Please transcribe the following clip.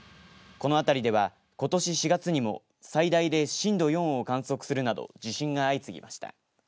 この辺りでは、ことし４月にも最大で震度４を観測するなど地震が相次ぎました。